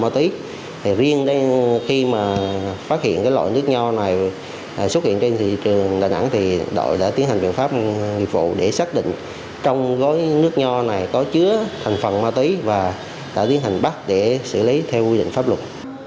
trường đà nẵng đội đã tiến hành biện pháp nghiệp vụ để xác định trong gói nước nho này có chứa thành phần ma túy và đã tiến hành bắt để xử lý theo quy định pháp luật